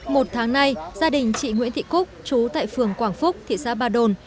một tháng nay gia đình chị nguyễn thị cúc chú tại phường quảng phúc thị xã ba đồn